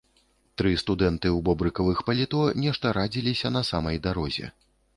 Тры студэнты ў бобрыкавых паліто нешта радзіліся на самай дарозе.